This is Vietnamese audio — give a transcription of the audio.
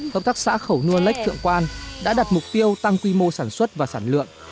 hợp tác xã khẩu nua lếch thượng quan đã đặt mục tiêu tăng quy mô sản xuất và sản lượng